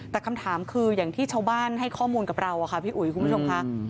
แต่คำถามคืออย่างที่ชาวบ้านให้ข้อมูลกับเราค่ะพี่อุ๋ยคุณผู้ชมค่ะ